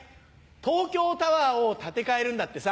東京タワーを建て替えるんだってさ。